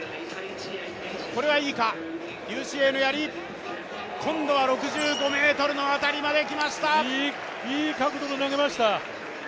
これはいいか劉詩穎のやり今度は６５ｍの辺りまできましたいいいい角度で投げました